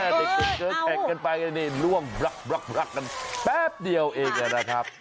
เด็กกันไปล่วงแบบเดียวเอกนะครับ